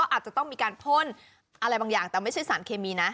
อาจจะต้องมีการพ่นอะไรบางอย่างแต่ไม่ใช่สารเคมีนะ